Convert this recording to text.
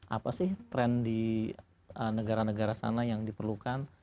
apa sih tren di negara negara sana yang diperlukan